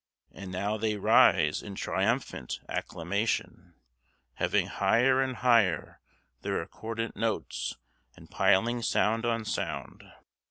And now they rise in triumphant acclamation, heaving higher and higher their accordant notes and piling sound on sound.